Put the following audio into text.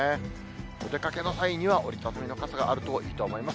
お出かけの際には折り畳みの傘があるといいと思います。